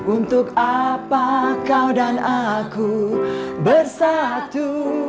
untuk apa kau dan aku bersatu